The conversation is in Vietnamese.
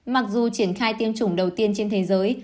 mặc dù triển khai tiêm chủng đầu tiên trên thế giới